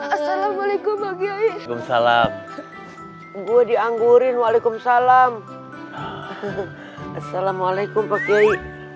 assalamualaikum salam gue dianggur in waalaikumsalam assalamualaikum pakai